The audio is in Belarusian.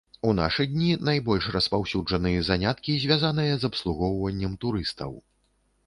У нашы дні найбольш распаўсюджаны заняткі, звязаныя з абслугоўваннем турыстаў.